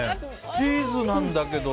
チーズなんだけど。